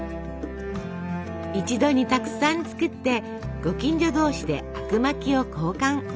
一度にたくさん作ってご近所同士であくまきを交換。